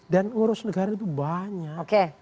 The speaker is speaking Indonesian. dan urus negara itu banyak